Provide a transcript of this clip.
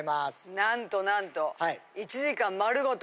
なんとなんと１時間丸ごと。